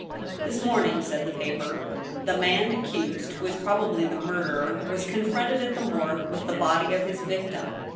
"This morning," said the paper, "the man accused, who is probably the murderer, was confronted at the moi^gue with the body of ^his victim.